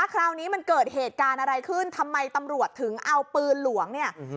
คราวนี้มันเกิดเหตุการณ์อะไรขึ้นทำไมตำรวจถึงเอาปืนหลวงเนี่ย